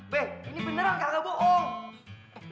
be ini beneran gak gak bohong